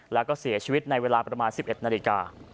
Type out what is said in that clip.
แล้วก็เสียชีวิตในเวลาประมาณ๑๑นาฬิกา